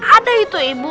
ada itu ibu